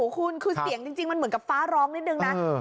คุณคือเสียงจริงมันเหมือนกับฟ้าร้องนิดนึงนะ